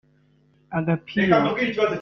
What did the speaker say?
Agapira